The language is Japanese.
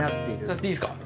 触っていいっすか。